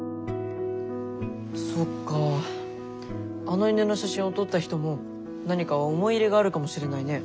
あの犬の写真を撮った人も何か思い入れがあるかもしれないね。